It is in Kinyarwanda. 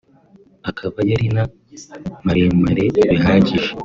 akaba yari na maremare bihagije